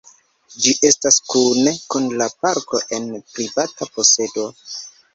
Ĝi estas kune kun la parko en privata posedo.